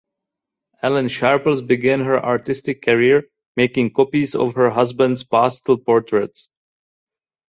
Ellen Sharples began her artistic career making copies of her husband's pastel portraits.